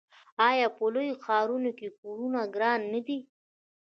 آیا په لویو ښارونو کې کورونه ګران نه دي؟